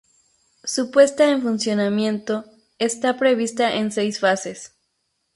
Su puesta en funcionamiento está prevista en seis fases.